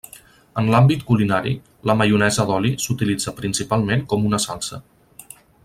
En l’àmbit culinari, la maionesa d’oli s’utilitza, principalment, com una salsa.